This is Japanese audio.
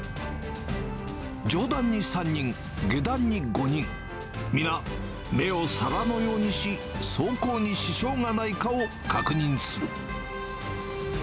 上段に３人、下段に５人、皆、目を皿のようにし、走行に支障がないかを確認する。